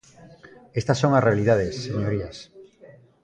Estas son as realidades, señorías.